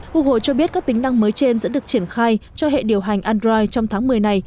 google cho biết các tính năng mới trên sẽ được triển khai cho hệ điều hành android trong tháng một mươi này